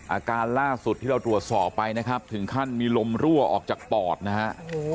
อาการล่าสุดที่เราตรวจสอบไปนะครับถึงขั้นมีลมรั่วออกจากปอดนะฮะ